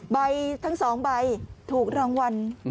ใบทั้ง๒ใบถูกรางวัล